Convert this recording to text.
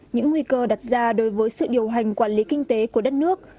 những nguy cơ đặt ra đối với sự điều hành quản lý kinh tế của đất nước